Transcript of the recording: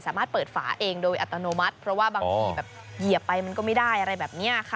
สามารถเปิดฝาเองโดยอัตโนมัติเพราะว่าบางทีแบบเหยียบไปมันก็ไม่ได้อะไรแบบนี้ค่ะ